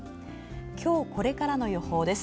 今日これからの予報です。